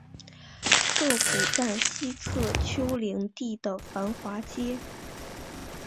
涩谷站西侧丘陵地的繁华街。